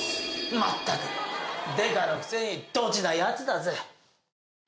まったくデカのくせにドジな奴だぜ！